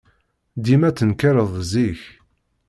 Dima ttenkareɣ zik.